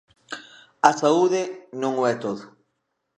_A saúde non o é todo.